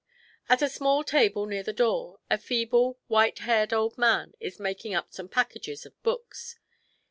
At a small table near the door, a feeble, white haired old man is making up some packages of books.